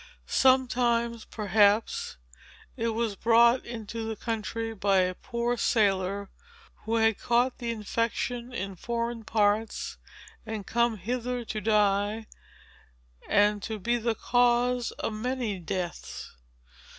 Sometimes, perhaps, it was brought into the country by a poor sailor, who had caught the infection in foreign parts, and came hither to die, and to be the cause of many deaths.